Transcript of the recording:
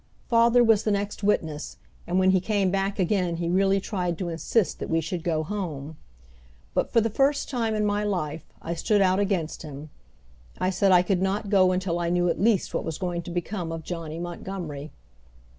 Father was the next witness, and when he came back again he really tried to insist that we should go home. But, for the first time in my life, I stood out against him. I said I could not go until I knew at least what was going to become of Johnny Montgomery.